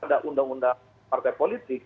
ada undang undang partai politik